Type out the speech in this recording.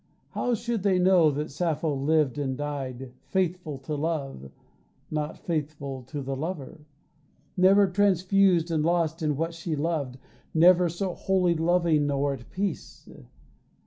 How should they know that Sappho lived and died Faithful to love, not faithful to the lover, Never transfused and lost in what she loved, Never so wholly loving nor at peace.